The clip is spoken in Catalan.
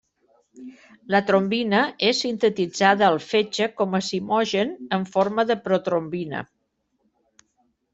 La trombina és sintetitzada al fetge com a zimogen en forma de protrombina.